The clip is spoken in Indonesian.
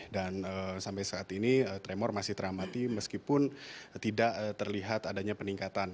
dan sampai saat ini tremor masih teramati meskipun tidak terlihat adanya peningkatan